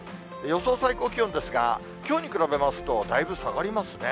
予想最高気温ですが、きょうに比べますと、だいぶ下がりますね。